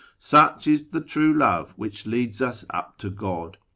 Such is the true love which leads us up to God.